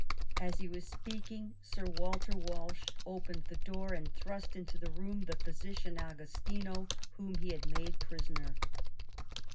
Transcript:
As he was speaking Sir Walter Walshe opened the door and thrust into the room the physician Agostino, whom he had made prisoner.